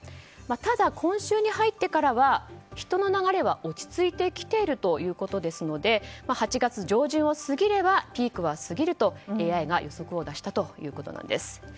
ただ、今週に入ってからは人の流れは落ち着いてきているということですので８月上旬を過ぎればピークは過ぎるとＡＩが予測を出したということです。